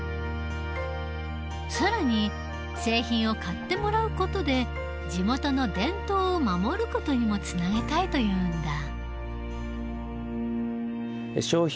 更に製品を買ってもらう事で地元の伝統を守る事にもつなげたいというんだ。